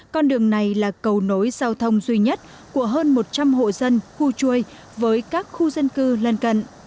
con đường này là cầu nối giao thông duy nhất của hơn một trăm linh hộ dân khu chui với các khu dân cư lân cận